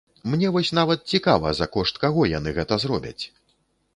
Мне вось нават цікава, за кошт каго яны гэта зробяць?